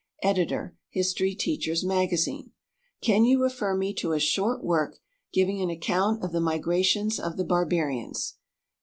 Editor HISTORY TEACHER'S MAGAZINE. "Can you refer me to a short work giving an account of the migrations of the barbarians?"